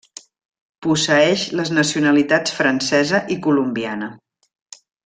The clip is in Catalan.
Posseeix les nacionalitats francesa i colombiana.